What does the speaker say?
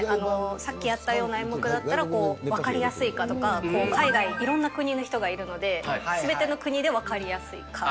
さっきやったような演目だったら、分かりやすいかとか、海外、いろんな国の人がいるので、すべての国で分かりやすいか。